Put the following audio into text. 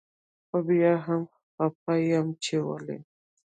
خو بيا هم خپه يم چي ولي